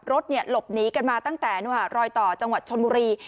รถเนี้ยหลบหนีกันมาตั้งแต่เนอะค่ะรอยต่อจังหวัดชนมุรี